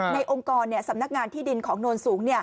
องค์กรสำนักงานที่ดินของโนนสูง